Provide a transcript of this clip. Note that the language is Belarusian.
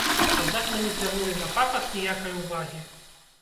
Аднак мы не звярнулі на пафас ніякай увагі.